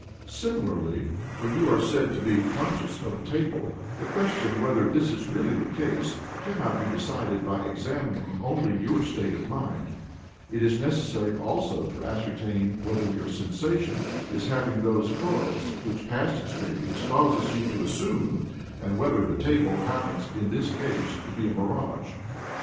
Similarly, when you are said to be "conscious" of a table, the question whether this is really the case cannot be decided by examining only your state of mind: it is necessary also to ascertain whether your sensation is having those correlates which past experience causes you to assume, or whether the table happens, in this case, to be a mirage.